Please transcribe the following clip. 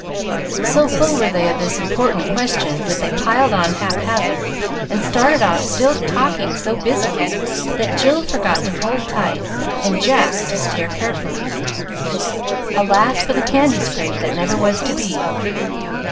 So full were they of this important question, that they piled on hap hazard, and started off still talking so busily that Jill forgot to hold tight and Jack to steer carefully. Alas, for the candy scrape that never was to be!